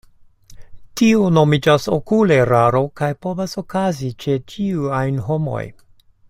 Tio nomiĝas okuleraro, kaj povas okazi ĉe ĉiuj ajn homoj.